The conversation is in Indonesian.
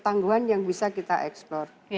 tangguhan yang bisa kita eksplor